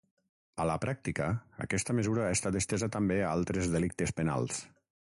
A la pràctica, aquesta mesura ha estat estesa també a altres delictes penals.